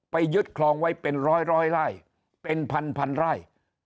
ยึดคลองไว้เป็นร้อยไร่เป็นพันไร่